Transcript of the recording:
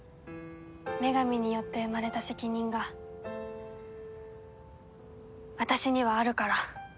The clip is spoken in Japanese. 女神によって生まれた責任が私にはあるから。